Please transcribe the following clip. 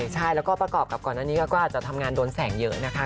ใช่แล้วก็ประกอบกับก่อนอันนี้ก็อาจจะทำงานโดนแสงเยอะนะคะ